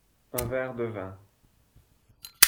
Un verre de vin.